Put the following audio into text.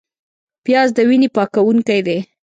پیاز د وینې پاکوونکی دی